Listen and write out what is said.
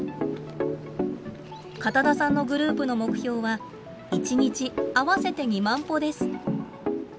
片田さんのグループの目標は１日合わせて２万歩です。